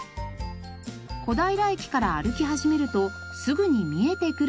小平駅から歩き始めるとすぐに見えてくるのが。